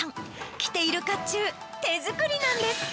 着ているかっちゅう、手作りなんです。